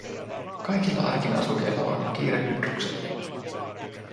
Kaikilla arkin asukeilla on jo kiire Hydrukselle.